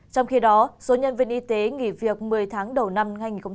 trong khi đó số nhân viên y tế nghỉ việc một mươi tháng đầu năm hai nghìn hai mươi